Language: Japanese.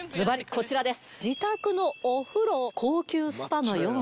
こちらです。